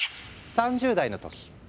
３０代の時。